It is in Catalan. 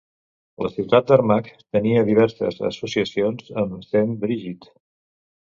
La ciutat d'Armagh tenia diverses associacions amb Saint Brigid.